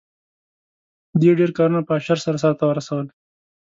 دې ډېر کارونه په اشر سره سرته رسول.